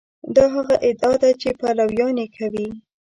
دا هغه ادعا ده چې پلویان یې کوي.